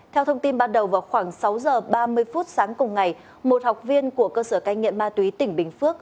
theo thông tin ban đầu vào khoảng sáu giờ ba mươi phút sáng cùng ngày một học viên của cơ sở cai nghiện ma túy tỉnh bình phước